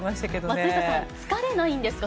松下さん、疲れないんですか？